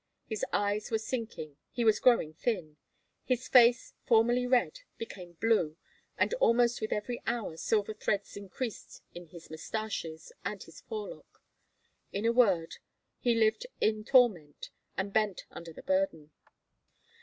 His eyes were sinking, he was growing thin; his face, formerly red, became blue, and almost with every hour silver threads increased in his mustaches and his forelock. In a word, he lived in torment, and bent under the burden.